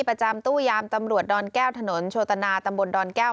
ประจำตู้ยามตำรวจดอนแก้วถนนโชตนาตำบลดอนแก้ว